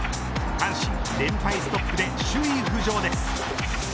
阪神、連敗ストップで首位浮上です。